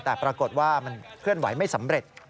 แต่ปรากฏว่ามันเคลื่อนไหวไม่สำเร็จ